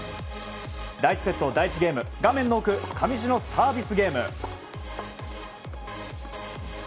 第１セット第１ゲーム画面の奥、上地のサービスゲーム。